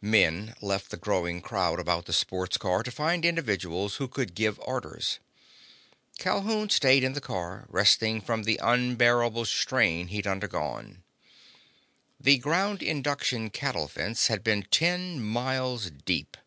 Men left the growing crowd about the sports car to find individuals who could give orders. Calhoun stayed in the car, resting from the unbearable strain he'd undergone. The ground inductor cattle fence had been ten miles deep.